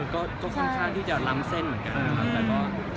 ก็ค่อนข้างที่จะล้ำเส้นเหมือนกันนะครับแต่ก็